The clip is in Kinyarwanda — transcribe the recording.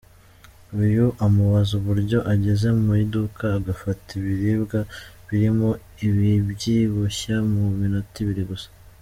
Uyu amubaza uburyo ageze mu iduka agafata ibiribwa birimo ibibyibushya mu minota ibiri gusa.